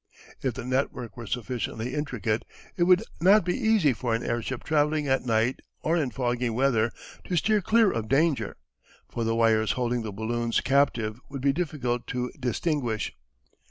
If the network were sufficiently intricate it would not be easy for an airship travelling at night or in foggy weather to steer clear of danger, for the wires holding the balloons captive would be difficult to distinguish.